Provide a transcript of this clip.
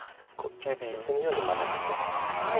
実戦のように真ん中に出たんです。